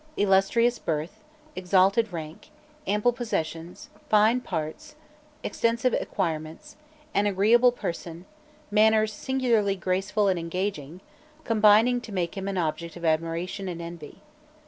Illustrious birth, exalted rank, ample possessions, fine parts, extensive acquirements, an agreeable person, manners singularly graceful and engaging, combined to make him an object of admiration and envy.